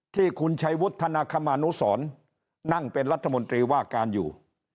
ที่คุณชัยวุฒนาคมานุสรนั่งเป็นรัฐมนตรีว่าการอยู่